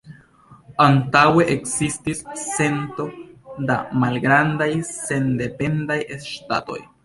Antaŭe ekzistis cento da malgrandaj sendependaj ŝtatoj.